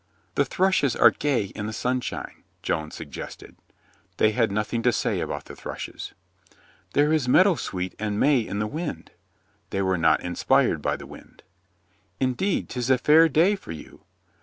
"The thrushes are gay in the sunshine," Joan suggested. They had nothing to say about the thrushes. "There is meadowsweet and may in the wind." They were not inspired by the wind. "Indeed, 'tis a fair day for you."